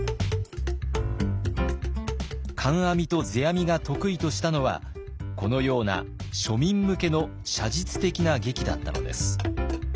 観阿弥と世阿弥が得意としたのはこのような庶民向けの写実的な劇だったのです。